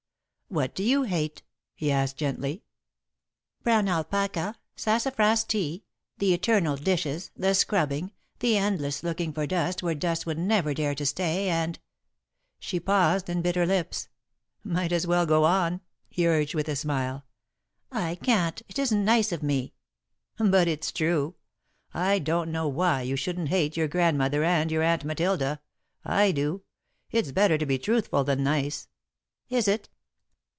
"What do you hate?" he asked, gently. "Brown alpaca, sassafras tea, the eternal dishes, the scrubbing, the endless looking for dust where dust would never dare to stay, and " She paused, and bit her lips. [Sidenote: Always Fighting] "Might as well go on," he urged, with a smile. "I can't. It isn't nice of me." "But it's true. I don't know why you shouldn't hate your Grandmother and your Aunt Matilda. I do. It's better to be truthful than nice." "Is it?"